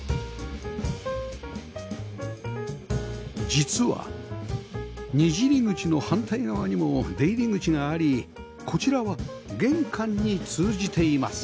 実はにじり口の反対側にも出入り口がありこちらは玄関に通じています